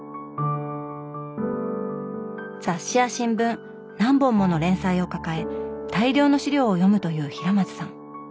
雑誌や新聞何本もの連載を抱え大量の資料を読むという平松さん。